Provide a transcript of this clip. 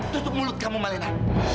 tutup mulut kamu malena